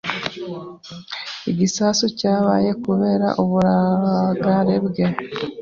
Igisasu cyabaye kubera uburangare bwe.